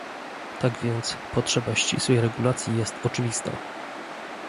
Tak więc, potrzeba ścisłej regulacji jest oczywista